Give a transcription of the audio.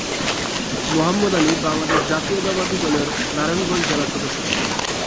মোহাম্মদ আলী বাংলাদেশ জাতীয়তাবাদী দলের নারায়ণগঞ্জ জেলা সদস্য ছিলেন।